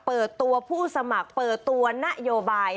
เปิดตัวผู้สมัครเปิดตัวนโยบาย